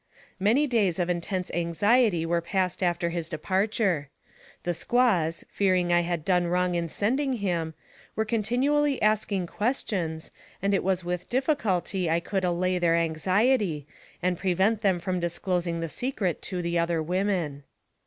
Many days of intense anxiety were passed after his departure. The squaws, fearing that I had done wrong in sending him, were continually asking ques tions, and it was with difficulty I could allay their AMONG THE SIOUX INDIANS. 201 anxiety, and prevent them from disclosing the secret tc the other women.